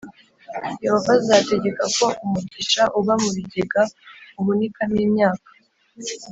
Yehova azategeka ko umugisha uba mu bigega uhunikamo imyaka,